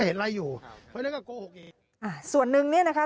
เห็นอะไรอยู่เพราะฉะนั้นก็โกหกอีกอ่าส่วนหนึ่งเนี้ยนะคะ